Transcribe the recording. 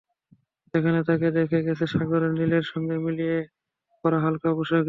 যেখানে তাঁকে দেখা গেছে সাগরের নীলের সঙ্গে মিলিয়ে পরা হালকা পোশাকে।